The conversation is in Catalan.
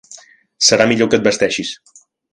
Serà millor que et vesteixis!